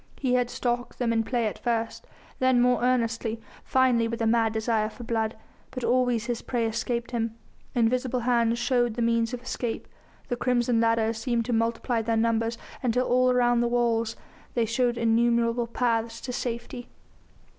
He had stalked them in play at first, then more earnestly, finally with a mad desire for blood. But always his prey escaped him, invisible hands showed the means of escape; the crimson ladders seemed to multiply their numbers until all round the walls they showed innumerable paths to safety.